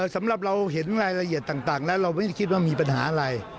สำหรับเราเห็นรายละเอียดต่างแล้วเราไม่ได้คิดว่ามีปัญหาอะไร